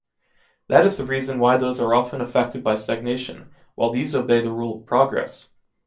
That is the reason why those are often affected by stagnation, while these obey the rule of progress.